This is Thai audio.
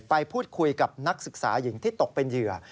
ไปพูดคุยกับนักศึกษาหญิงที่ตกเป็นเหยื่อ